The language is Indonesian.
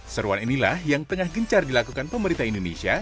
seruan inilah yang tengah gencar dilakukan pemerintah indonesia